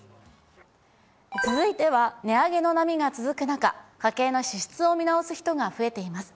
続いては値上げの波が続く中、家計の支出を見直す人が増えています。